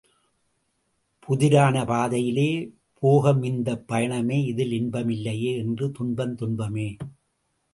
புதிரான பாதையிலே போகுமிந்தப் பயணமே இதில் இன்பம் இல்லையே என்றுந் துன்பம் துன்பமே!